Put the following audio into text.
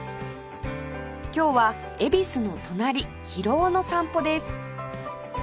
今日は恵比寿の隣広尾の散歩です